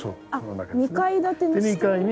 ２階建ての下に？